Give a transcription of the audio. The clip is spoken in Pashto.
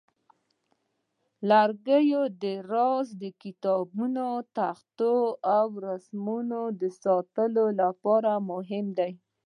لرګي د زاړه کتابتونه، تختې، او رسمونو د ساتلو لپاره مهم دي.